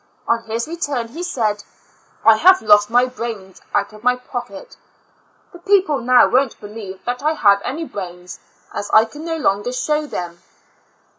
On his return he said, " I have lost my brains out of my pocket — the people now won't believe that 1 have any brains, as I can no longer show them."